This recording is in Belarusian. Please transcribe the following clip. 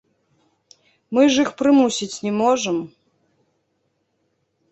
Мы ж іх прымусіць не можам.